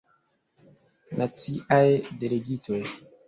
Naciaj Delegitoj.